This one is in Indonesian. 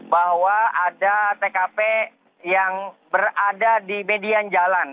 bahwa ada tkp yang berada di median jalan